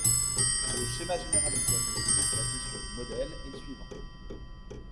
Le schéma général du diagnostic basé sur le modèle est le suivant.